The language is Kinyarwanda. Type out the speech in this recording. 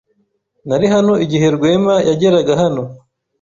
Nari hano igihe Rwema yageraga hano.